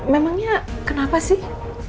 memangnya kenapa sih